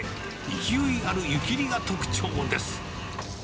勢いある湯切りが特徴です。